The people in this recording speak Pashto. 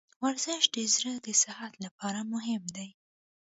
ورزش د زړه د صحت لپاره مهم دی.